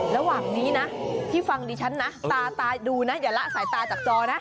ระหว่างนี้นะที่ฟังดิฉันนะตาดูนะอย่าละสายตาจากจอนะ